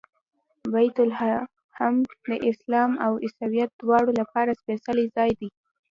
بیت لحم د اسلام او عیسویت دواړو لپاره سپېڅلی ځای دی.